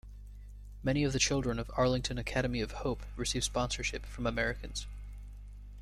Many of the children of Arlington Academy of Hope receive sponsorship from Americans.